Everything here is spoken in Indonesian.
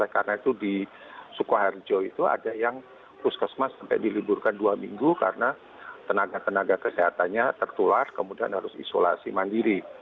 karena itu di sukoharjo itu ada yang puskesmas sampai diliburkan dua minggu karena tenaga tenaga kesehatannya tertular kemudian harus isolasi mandiri